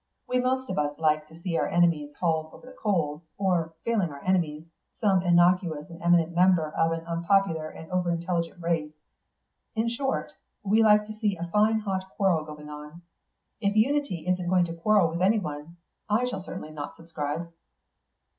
We most of us like to see our enemies hauled over the coals; or, failing our enemies, some innocuous and eminent member of an unpopular and over intelligent race. In short, we like to see a fine hot quarrel going on. If Unity isn't going to quarrel with anyone, I shall certainly not subscribe."